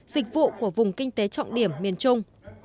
dịch vụ của vùng kinh tế trọng điểm miền trung